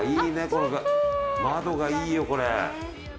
この窓がいいよこれ。